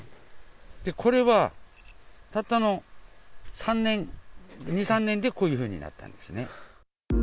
これはたったの２、３年でこういうふうになったんですね。